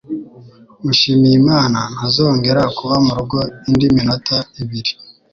Mushimiyimana ntazongera kuba murugo indi minota ibiri